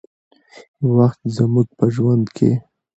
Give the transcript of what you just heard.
وخت زموږ په ژوند کې